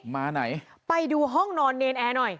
มาไหนไปดูห้องนอนเนรนแอร์หน่อย